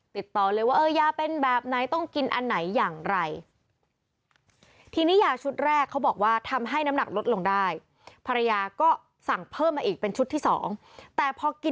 ติดต่อเลยว่ายาเป็นแบบไหนต้องกินอันไหนอย่างไร